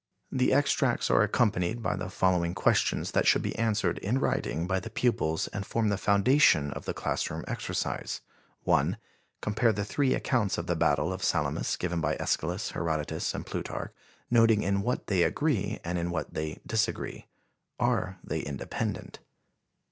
The extracts are accompanied by the following questions that should be answered in writing by the pupils and form the foundation of the classroom exercise: "1. Compare the three accounts of the battle of Salamis given by Æschylus, Herodotus and Plutarch, noting in what they agree and in what they disagree. Are they independent?